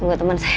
tunggu teman saya